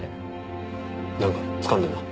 なんかつかんでんの？